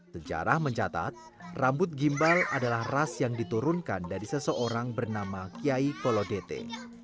sejarah mencatat rambut gimbal adalah ras yang diturunkan dari seseorang bernama kiai kolodete